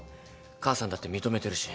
母さんだって認めてるし。